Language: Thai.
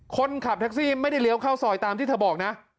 คนขับแท็กซี่ไม่ได้เลี้ยวเข้าซอยตามที่เธอบอกนะ